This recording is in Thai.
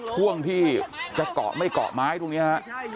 ช่วงที่จะก่อไม่ก่อไม้ตรงนี้ฮะ